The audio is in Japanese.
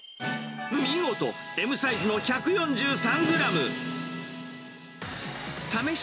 見事、Ｍサイズの１４３グラム。